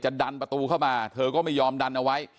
ดันประตูเข้ามาเธอก็ไม่ยอมดันเอาไว้